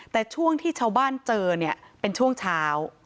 แต่ช่วงที่ชาวบ้านเจอเนี่ยเป็นช่วงเช้า